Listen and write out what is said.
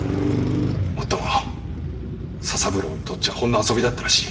もっとも佐三郎にとっちゃほんの遊びだったらしい。